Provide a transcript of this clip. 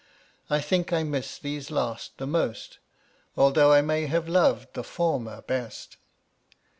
I think I miss these last the most, although I may have loved the former best.